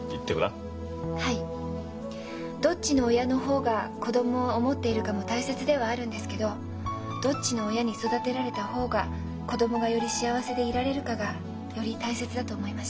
どっちの親の方が子供を思っているかも大切ではあるんですけどどっちの親に育てられた方が子供がより幸せでいられるかがより大切だと思いました。